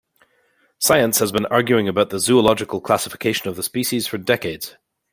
Science has been arguing about the zoological classification of the species for decades.